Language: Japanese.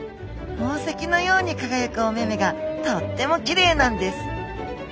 宝石のように輝くお目々がとってもきれいなんです。